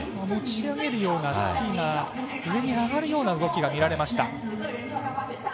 持ち上げるようなスキーが上に上がるような動きが見られました。